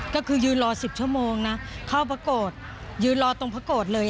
ก็คือยืนรอ๑๐ชั่วโมงนะเข้าพระโกรธยืนรอตรงพระโกรธเลย